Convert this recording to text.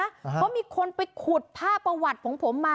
เพราะมีคนไปขุดภาพประวัติของผมมา